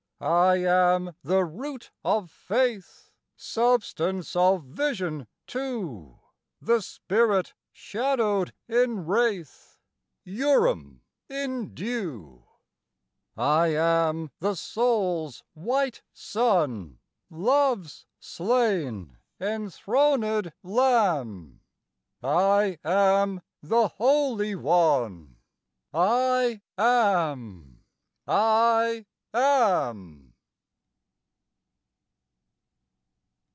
I am the root of faith, Substance of vision, too, The spirit shadowed in wraith, Urim in dew. I am the soul's white Sun, Love's slain, enthronëd Lamb, I am the Holy One, I am I AM!